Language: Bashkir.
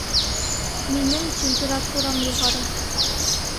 Минең температурам юғары